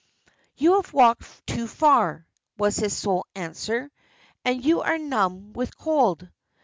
"You have walked too far," was his sole answer, "and you are numb with cold."